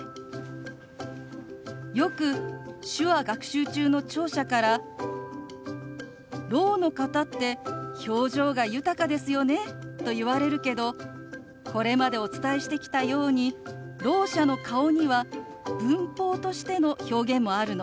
よく手話学習中の聴者から「ろうの方って表情が豊かですよね」と言われるけどこれまでお伝えしてきたようにろう者の顔には文法としての表現もあるの。